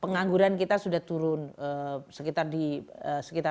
pengangguran kita sudah turun sekitar di sekitar lima delapan